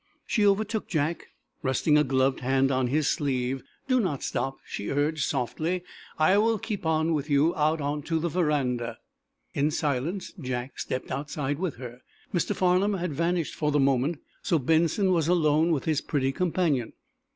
She overtook Jack, resting a gloved hand on his sleeve. "Do not stop," she urged, softly. "I will keep on with you, out onto the veranda." In silence Jack stepped outside with her. Mr. Farnum had vanished for the moment, so Benson was alone with his pretty companion.